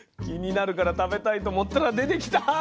気になるから食べたいと思ったら出てきた！